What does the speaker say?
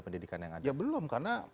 pendidikan yang ada belum karena